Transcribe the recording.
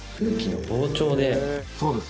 そうです。